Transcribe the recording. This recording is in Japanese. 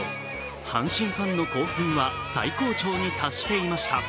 阪神ファンの興奮は最高潮に達していました。